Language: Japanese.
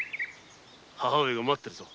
母上が待っているぞ。